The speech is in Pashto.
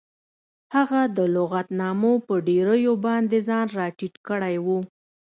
هغه د لغتنامو په ډیریو باندې ځان راټیټ کړی و